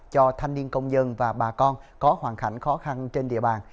cho thanh niên công nhân và bà con có hoàn cảnh khó khăn trên địa bàn